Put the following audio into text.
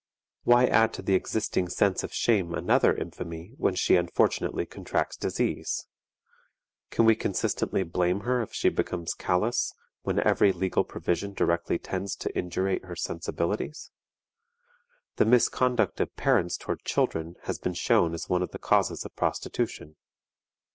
Why add to the existing sense of shame another infamy when she unfortunately contracts disease? Can we consistently blame her if she becomes callous, when every legal provision directly tends to indurate her sensibilities? The misconduct of parents toward children has been shown as one of the causes of prostitution.